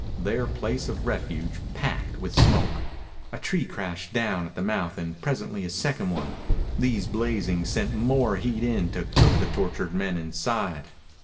Their place of refuge packed with smoke. A tree crashed down at the mouth and presently a second one. These, blazing, sent more heat in to cook the tortured men inside.